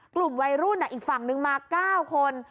กลุ่มวัยรุ่นอีกฝั่งนึงมา๙คน